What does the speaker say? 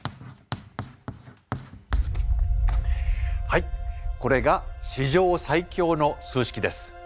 はいこれが史上最強の数式です。